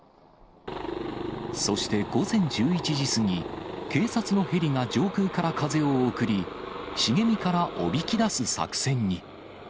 そして午前１１時過ぎ、警察のヘリが上空から風を送り、茂みからおびき出す作戦に。